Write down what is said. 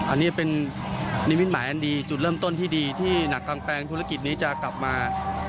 อันนี้เป็นนิมิตหมายอันดีจุดเริ่มต้นที่ดีที่หนักกลางแปลงธุรกิจนี้จะกลับมา